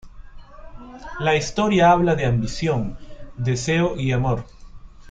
La historia habla de ambición, deseo y amor.